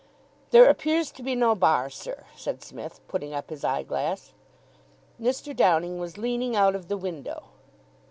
"There appears to be no bar, sir," said Psmith, putting up his eyeglass. Mr Downing was leaning out of the window.